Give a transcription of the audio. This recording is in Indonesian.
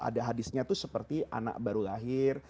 ada hadisnya itu seperti anak baru lahir